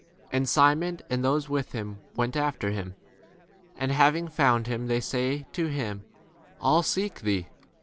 And Simon and those with him went 3 ? after him ; and having found him, they say to him, All seek thee.